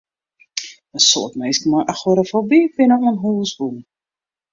In soad minsken mei agorafoby binne oan hûs bûn.